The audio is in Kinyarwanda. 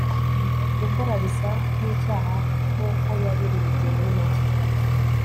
gukora bisa nkicyaha nkuko yabirebye muri make